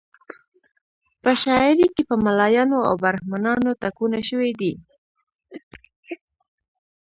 په شاعري کې په ملایانو او برهمنانو ټکونه شوي دي.